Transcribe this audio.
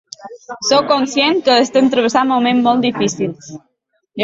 Sóc conscient que estem travessant moments molt difícils.